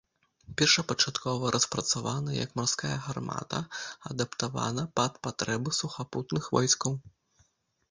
Першапачаткова распрацавана як марская гармата, адаптавана пад патрэбы сухапутных войскаў.